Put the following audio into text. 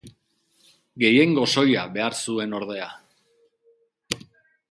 Gehiengo soila behar zuen, ordea.